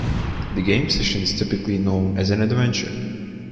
The game session is typically known as an adventure.